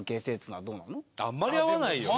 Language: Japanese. あんまり会わないよね。